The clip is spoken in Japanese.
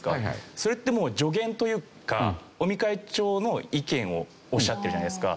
それってもう助言というか尾身会長の意見をおっしゃってるじゃないですか。